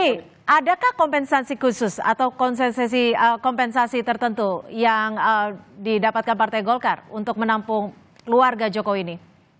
tentu pak jokowi juga menerima kompensasi khusus atau kompensasi tertentu yang didapatkan partai golkar untuk menampung keluarga jokowi ini